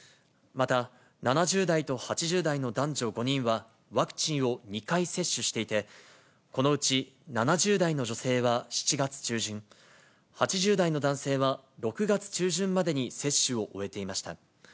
また７０代と８０代の男女５人は、ワクチンを２回接種していて、このうち７０代の女性は７月中旬、８０代の男性は６月中旬までに接種を終えていました。